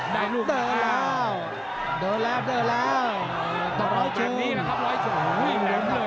เดินแล้วเดินแล้ว